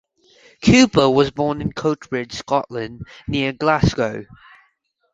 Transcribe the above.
Cooper was born in Coatbridge, Scotland, near Glasgow.